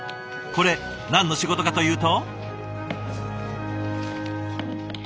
これ何の仕事かというと？